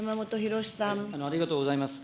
ありがとうございます。